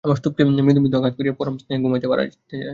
আমার স্তূপকে মৃদু মৃদু আঘাত করিয়া পরম স্নেহে ঘুম পাড়াইতে চায়।